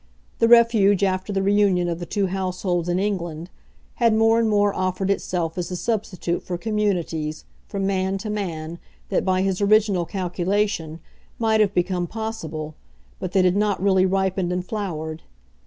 The refuge, after the reunion of the two households in England, had more and more offered itself as the substitute for communities, from man to man, that, by his original calculation, might have become possible, but that had not really ripened and flowered.